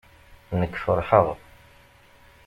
Nekk feṛheɣ.